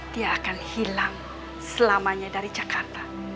dia akan hilang selamanya dari jakarta